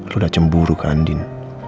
lu udah cemburu kak andien